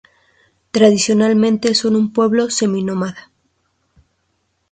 Tradicionalmente son un pueblo seminómada.